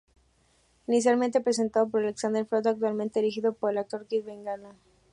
Inicialmente presentado por Alexandre Frota, actualmente dirigido por el actor Kid Bengala.